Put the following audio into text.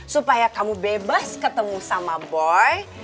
supaya kamu bebas ketemu sama boy